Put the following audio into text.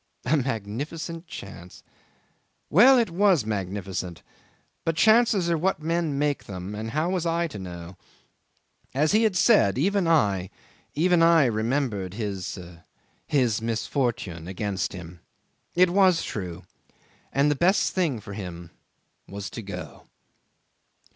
... A magnificent chance! Well, it was magnificent, but chances are what men make them, and how was I to know? As he had said, even I even I remembered his his misfortune against him. It was true. And the best thing for him was to go.